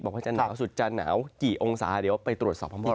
เขาจะหนาวสุดจะหนาวกี่องศาเดี๋ยวไปตรวจสอบพร้อมกัน